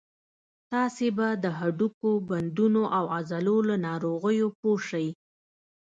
تاسې به د هډوکو، بندونو او عضلو له ناروغیو پوه شئ.